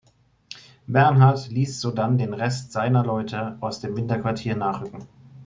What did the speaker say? Bernhard ließ sodann den Rest seiner Leute aus dem Winterquartier nachrücken.